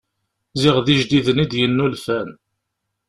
Ziɣ d ijdiden i d-yennulfan.